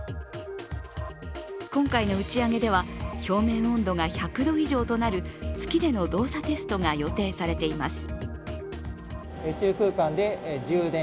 今回の打ち上げでは表面温度が１００度以上となる月での動作テストが予定されています。